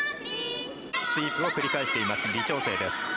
スイープを繰り返しています。